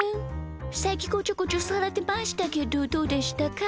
さっきこちょこちょされてましたけどどうでしたか？